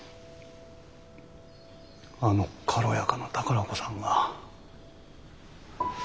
あの軽やかな宝子さんが？